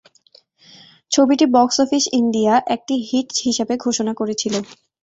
ছবিটি box office India একটি "hit" হিসাবে ঘোষণা করেছিল।